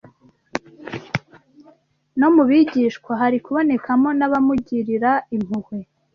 no mu bigishwa hari kubonekamo n'abamugirira impuhwe.